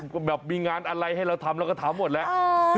ก็แบบมีงานอะไรให้เราทำเราก็ทำหมดแล้ว